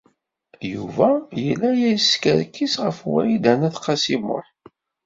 Yuba yella la yeskerkis ɣef Wrida n At Qasi Muḥ?